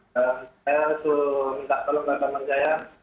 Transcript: saya sudah minta tolong dari teman saya